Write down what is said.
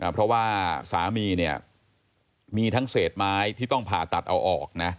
เพราะว่าสามีเนี่ยมีทั้งเศษไม้ที่ต้องผ่าตัดเอาออกนะ